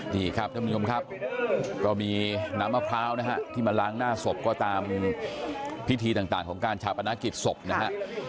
นี่ครับท่านผู้ชมครับก็มีน้ำมะพร้าวนะฮะที่มาล้างหน้าศพก็ตามพิธีต่างของการชาปนกิจศพนะฮะ